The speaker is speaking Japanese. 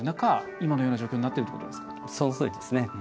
今のような状態になってるということですか。